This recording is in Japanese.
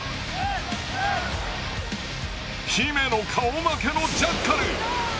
姫野顔負けのジャッカル。